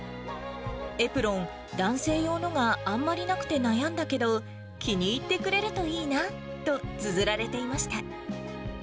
エプロン、男性用のがあんまりなくて悩んだけど、気に入ってくれるといいなとつづられていました。